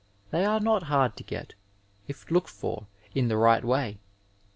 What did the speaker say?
They are not hard to get, if looked for in the right way.